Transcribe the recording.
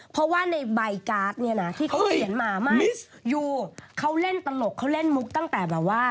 เพราะว่าในใบการ์ดเนี่ยนะที่เขาเขียนมามากยูเขาเล่นตลกเขาเล่นมุกตั้งแต่แบบว่า